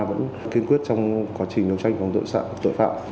vẫn kiên quyết trong quá trình đấu tranh phòng chống tội phạm